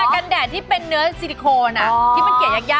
กันแดดที่เป็นเนื้อซิลิโคนที่มันเกลียดยาก